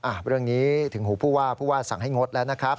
เรื่องนี้ถึงหูผู้ว่าผู้ว่าสั่งให้งดแล้วนะครับ